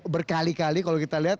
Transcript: berkali kali kalau kita lihat